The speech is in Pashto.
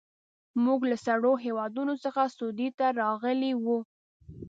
موږ له سړو هېوادونو څخه سعودي ته راغلي وو.